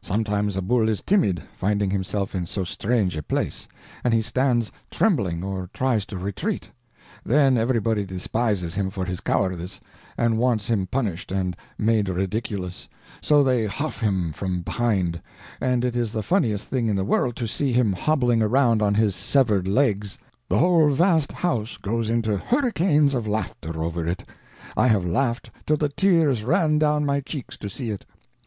Sometimes a bull is timid, finding himself in so strange a place, and he stands trembling, or tries to retreat. Then everybody despises him for his cowardice and wants him punished and made ridiculous; so they hough him from behind, and it is the funniest thing in the world to see him hobbling around on his severed legs; the whole vast house goes into hurricanes of laughter over it; I have laughed till the tears ran down my cheeks to see it.